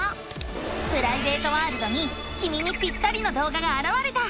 プライベートワールドにきみにぴったりの動画があらわれた！